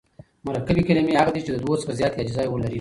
مرکبي کلیمې هغه دي، چي د دوو څخه زیاتي اجزاوي لري.